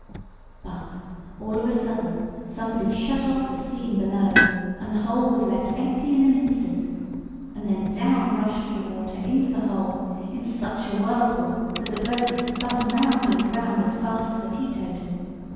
But, all of a sudden, somebody shut off the steam below, and the hole was left empty in an instant: and then down rushed the water into the hole, in such a whirlpool that the bogy spun round and round as fast as a teetotum.